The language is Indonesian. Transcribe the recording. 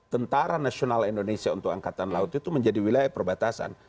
tentara nasional indonesia untuk angkatan laut itu menjadi wilayah perbatasan